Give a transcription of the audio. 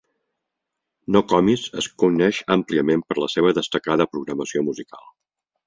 Nokomis es coneix àmpliament per la seva destacada programació musical.